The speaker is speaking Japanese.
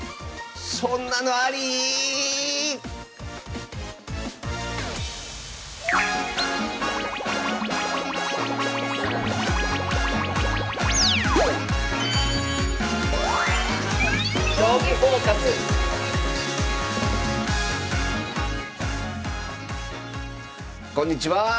そんなのアリ⁉こんにちは！